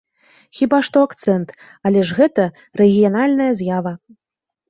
Хіба што акцэнт, але ж гэта рэгіянальная з'ява.